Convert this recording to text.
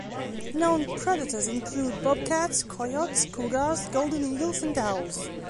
Known predators include bobcats, coyotes, cougars, golden eagles, and owls.